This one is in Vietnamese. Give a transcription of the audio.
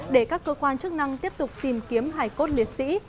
để các cơ quan chức năng tiếp tục tìm kiếm hải cốt liệt sĩ